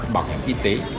bảo hiểm y tế